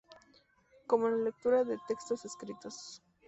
Como la lectura de textos escritos.